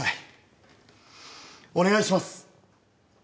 お願いします！